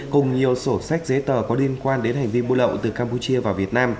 cùng nhiều sổ sách giấy tờ có liên quan đến hành vi